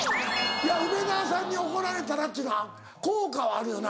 梅沢さんに怒られたらっていうのは効果はあるよな。